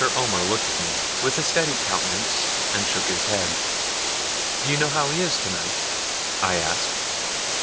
Omer looked at me, with a steady countenance, and shook his head. 'Do you know how he is tonight?' I asked.